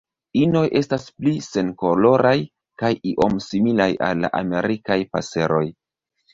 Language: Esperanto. Inoj estas pli senkoloraj kaj iom similaj al la Amerikaj paseroj.